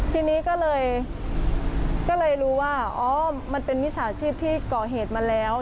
ทีนี้ก็เลยรู้ว่าอ๋อมันเป็นมิจฉาชีพที่ก่อเหตุมาแล้ว